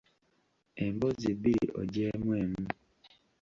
Emboozi bbiri oggyeemu emu.